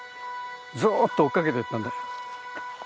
ずっと追っかけてったんだよ。